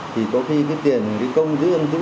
thì có khi cái tiền cái công giữ giam giữ